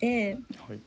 はい。